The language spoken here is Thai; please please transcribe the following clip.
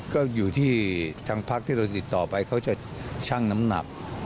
ก็อยู่ที่ทางพักที่เราติดต่อไปเขาจะชั่งน้ำหนัก